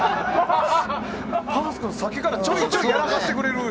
パース君、さっきからちょいちょいやらかしてくれるよ。